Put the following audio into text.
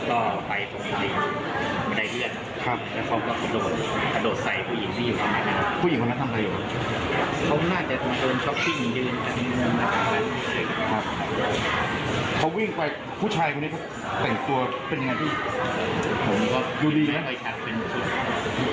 ก็ดูดีนะสายชุดสีดำ